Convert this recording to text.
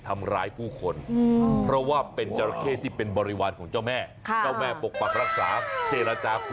เธอหนีจราเข้ไปก่อนยังไม่ทันได้เรศ